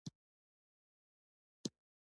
• بښل انسان ته عزت ورکوي.